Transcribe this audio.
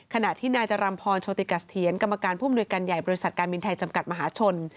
ขณะที่นายจรัมพรโชติกัสเถียรกรรมการผู้มนุยการใหญ่บริษัทการบินไทยจำกัดมหาชน